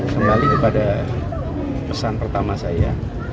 kembali kepada pesan pertama saya